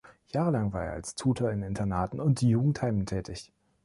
Jahrelang war er als Tutor in Internaten und Jugendheimen tätig.